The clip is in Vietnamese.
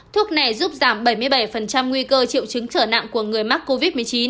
thuốc này giúp giảm bảy mươi bảy nguy cơ triệu chứng trở nặng của người mắc covid một mươi chín